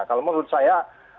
kalau menurut saya